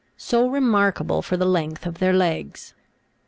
so remarkable for the length of their legs (Jig.